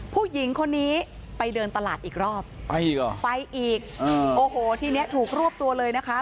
ผู้หญิงคนนี้ไปเดินตลาดอีกรอบไปอีกเหรอไปอีกโอ้โหทีนี้ถูกรวบตัวเลยนะคะ